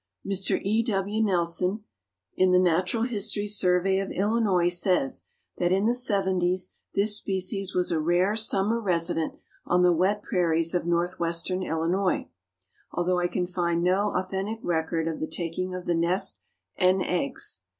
Mr. E. W. Nelson, in the Natural History Survey of Illinois, says, that in the seventies this species was a rare summer resident on the wet prairies of Northwestern Illinois, although I can find no authentic record of the taking of the nest and eggs.